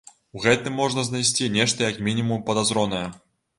У гэтым можна знайсці нешта як мінімум падазронае.